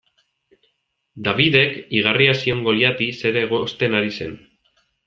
Davidek igarria zion Goliati zer egosten ari zen.